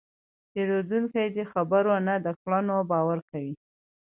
پیرودونکی د خبرو نه، د کړنو باور کوي.